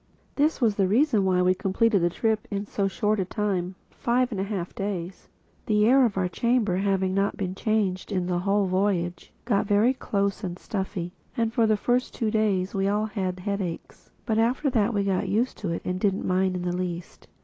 This was the reason why we completed the trip in so short a time—five and a half days. The air of our chamber, not having a change in the whole voyage, got very close and stuffy; and for the first two days we all had headaches. But after that we got used to it and didn't mind it in the least.